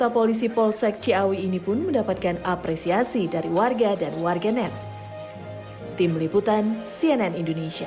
polisi polsek ciawi ini pun mendapatkan apresiasi dari warga dan warganet tim liputan cnn indonesia